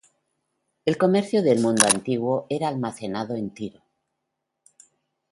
El comercio del mundo antiguo era almacenado en Tiro.